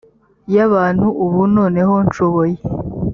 y abantu ubu noneho nshoboye